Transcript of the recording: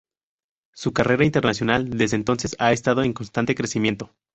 Su carrera internacional desde entonces ha estado en constante crecimiento.